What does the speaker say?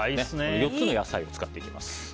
４つの野菜を使っていきます。